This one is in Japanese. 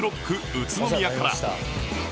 宇都宮から